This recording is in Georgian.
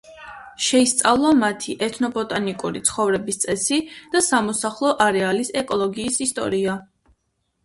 შეისწავლა მათი ეთნობოტანიკური ცხოვრების წესი და სამოსახლო არეალის ეკოლოგიის ისტორია.